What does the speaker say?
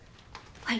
はい。